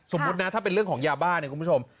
สมมุตินะถ้าเป็นเรื่องของยาบ้าเนี่ยคุณผู้ชม